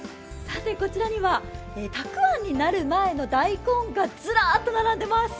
こちらにはたくあんになる前の大根がずらっと並んでいます。